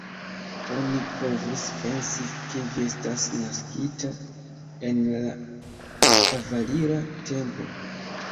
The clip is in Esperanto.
Oni povus pensi, ke vi estas naskita en la kavalira tempo.